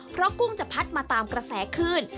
เพราะกุ้งจะพัดมาตามกระแสคลื่น